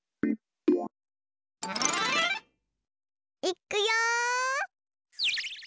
いっくよ！